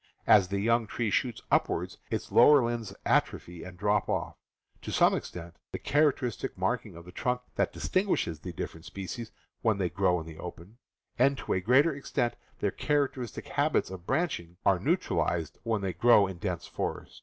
As the young tree shoots upward, its lower limbs atrophy and drop off. To some extent the character istic markings of the trunk that distinguish the differ ent species when they grow in the open, and to a greater extent their characteristic habits of branching, are neu tralized when they grow in dense forest.